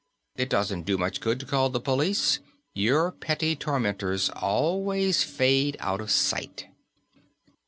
And it doesn't do much good to call the police; your petty tormentors always fade out of sight.